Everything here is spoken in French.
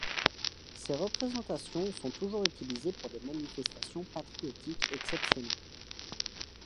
Ses représentations sont toujours utilisées pour des manifestations patriotiques exceptionnelles.